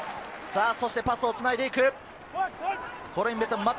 パスをつないでいく。